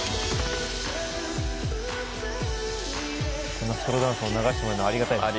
こんなソロダンスを流してもらえるのありがたいですね。